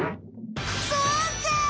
そうか！